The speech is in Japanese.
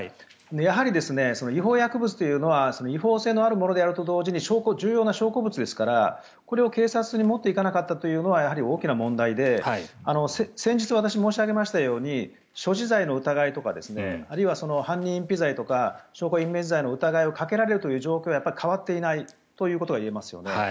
やはり、違法薬物というのは違法性のあるものであると同時に重要な証拠物ですからこれを警察に持っていかなかったというのはやはり大きな問題で先日、私、申し上げましたように所持罪の疑いとかあるいは犯人隠避罪とか証拠隠滅罪の疑いをかけられるという状況は変わっていないということがいえますよね。